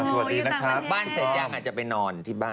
สวัสดีนะครับบ้านเสร็จยังอาจจะไปนอนที่บ้าน